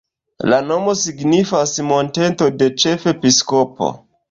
La nomo signifas monteto-de-ĉefepiskopo.